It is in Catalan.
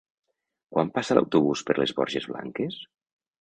Quan passa l'autobús per les Borges Blanques?